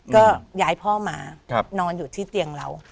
ก็ย้ายพ่อมานอนอยู่ที่เตียงเรา